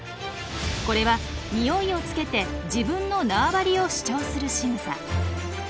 これはニオイをつけて自分の縄張りを主張するしぐさ。